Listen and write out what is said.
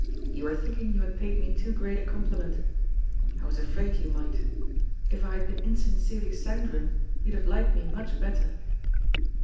"You were thinking you had paid me too great a compliment. I was afraid you might ! If I had been insincerely san guine, you'd have liked me much better."